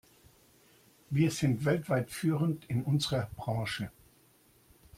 Wir sind weltweit führend in unserer Branche.